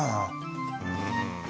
うん。